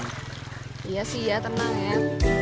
iya sih ya tenang ya